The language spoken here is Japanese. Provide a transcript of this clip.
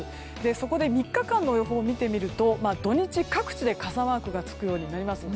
そこで３日間の予報を見てみると土日、各地で傘マークがつくようになります。